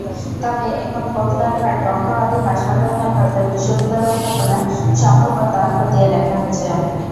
তবে এখন ফৌজদারহাট বক্ষব্যাধি হাসপাতাল ক্যাম্পাসে বিশ্ববিদ্যালয় স্থাপনের সম্ভাব্যতা খতিয়ে দেখা হচ্ছে।